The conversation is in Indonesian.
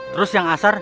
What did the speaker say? terus yang asar